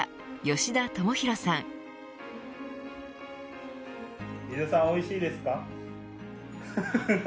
吉田さん、おいしいですか。